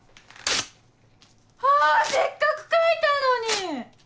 せっかく書いたのに！